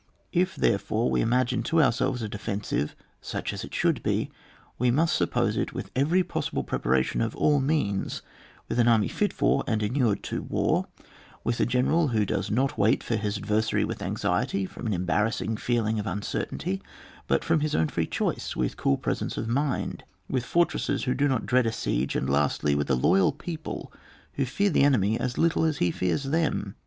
If, therefore, we imagine to ourselves a defensive, such as it should be, we must suppose it with every possible pre paration of all means, with an army fit for, and inured to, war, with a general who does not wait for his adversary with anxiety from an embarrassing feeHng of uncertainty, but &om his own free choice, with cool presence of mind, with for tresses which do not dread a siege, and lastly, with a loyal people who fear the enemy as little as he fears them.